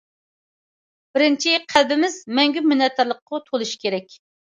بىرىنچى، قەلبىمىز مەڭگۈ مىننەتدارلىققا تولۇشى كېرەك.